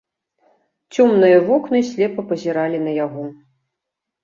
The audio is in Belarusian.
Цёмныя вокны слепа пазіралі на яго.